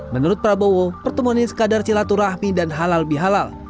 menurut prabowo pertemuan ini sekadar silaturahmi dan halal bihalal